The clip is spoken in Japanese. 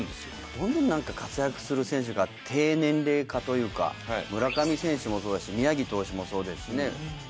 どんどん活躍する選手が低年齢化というか村上選手もそうだし宮城投手もそうだしね。